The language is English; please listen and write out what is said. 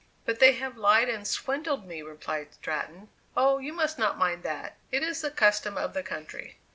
"But they have lied and swindled me," replied Stratton. "Oh, you must not mind that, it is the custom of the country."